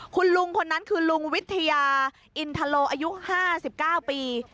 คุณลุงคนนั้นคือลุงวิทยาอินทโลอายุ๕๙ปี